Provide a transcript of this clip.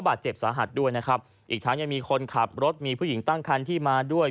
บาดเจ็บสาหัสด้วยนะครับอีกทั้งยังมีคนขับรถมีผู้หญิงตั้งคันที่มาด้วย